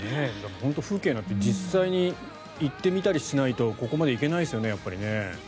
本当、風景なんて実際に行ってみたりしないとここまでいけないですよね。